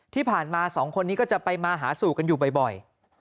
ที่ผ่านมาสองคนนี้ก็จะไปมาหาสู่กันอยู่บ่อย